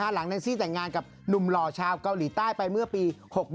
แนนซี่แต่งงานกับหนุ่มหล่อชาวเกาหลีใต้ไปเมื่อปี๖๑